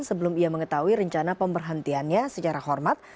sebelum ia mengetahui rencana pemberhentiannya secara hormat